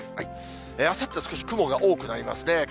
あさっては少し雲が多くなりますね。